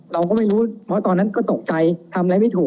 เราก็ไม่รู้เพราะตอนนั้นก็ตกใจทำอะไรไม่ถูก